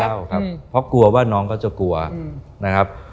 ไม่ได้เล่าครับเพราะกลัวว่าน้องก็จะกลัวนะครับ